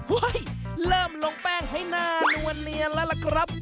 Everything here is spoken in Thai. เริ่มลงแป้งให้หน้านวลเนียนแล้วล่ะครับ